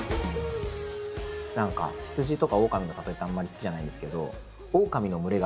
何かヒツジとかオオカミの例えってあんまり好きじゃないんですけど。